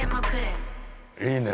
いいね。